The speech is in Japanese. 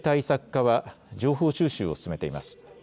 課は、情報収集を進めています。